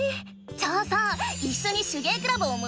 じゃあさいっしょに手芸クラブをもり上げようよ！